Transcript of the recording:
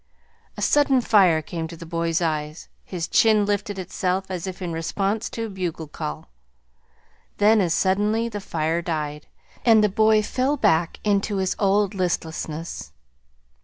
A sudden fire came to the boy's eyes. His chin lifted itself as if in response to a bugle call. Then, as suddenly, the fire died, and the boy fell back into his old listlessness.